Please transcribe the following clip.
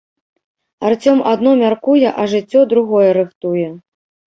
Арцём адно мяркуе, а жыццё другое рыхтуе.